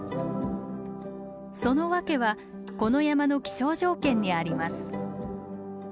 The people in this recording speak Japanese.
そのワケはこの山の気象条件にあります。